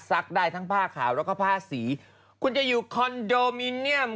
ได้ทั้งผ้าขาวแล้วก็ผ้าสีคุณจะอยู่คอนโดมิเนียม